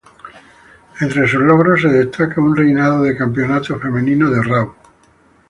Entre sus logros se destaca un reinado de campeonato femenino de Raw.